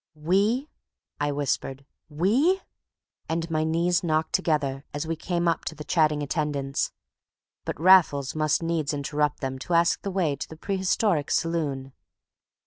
"We!" I whispered. "We!" And my knees knocked together as we came up to the chatting attendants. But Raffles must needs interrupt them to ask the way to the Prehistoric Saloon.